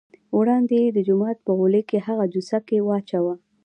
وړاندې یې د جومات په غولي کې هغه جوسه کې واچوه.